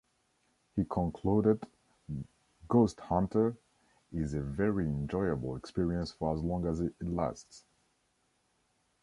He concluded "Ghosthunter" is a very enjoyable experience for as long as it lasts.